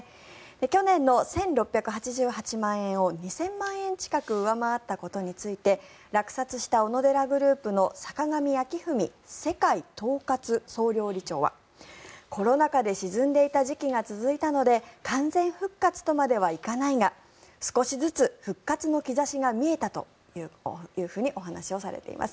去年の１６８８万円を２０００万円近く上回ったことについて落札したオノデラグループの坂上暁史世界統括総料理長はコロナ禍で沈んでいた時期が続いたので完全復活とまではいかないが少しずつ復活の兆しが見えたとお話をされています。